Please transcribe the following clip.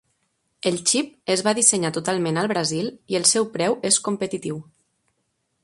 El xip es va dissenyar totalment al Brasil i el seu preu és competitiu.